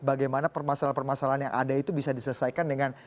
bagaimana permasalahan permasalahan yang ada itu bisa diselesaikan dengan